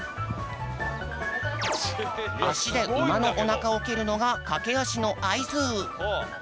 あしでうまのおなかをけるのがかけあしのあいず。